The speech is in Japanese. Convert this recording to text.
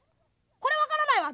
「これわからないわ！